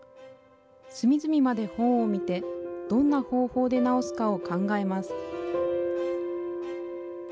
隅々まで本を見てどんな方法で直すかを考えます